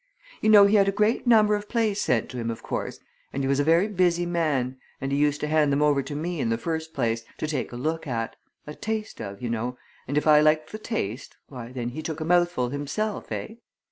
You know, he had a great number of plays sent to him, of course, and he was a very busy man, and he used to hand them over to me in the first place, to take a look at, a taste of, you know, and if I liked the taste, why, then he took a mouthful himself, eh?